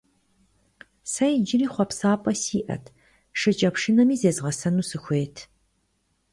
Сэ иджыри хъуапсапӀэ сиӀэт, шыкӀэпшынэми зезгъэсэну сыхуейт.